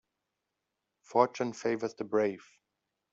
Fortune favours the brave.